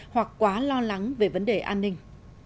hoặc quá lo lắng về vấn đề an ninh